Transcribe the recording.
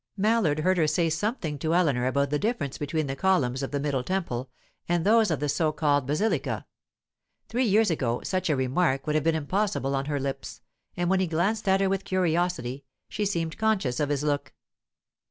Mallard heard her say something to Eleanor about the difference between the columns of the middle temple and those of the so called Basilica; three years ago, such a remark would have been impossible on her lips, and when he glanced at her with curiosity, she seemed conscious of his look.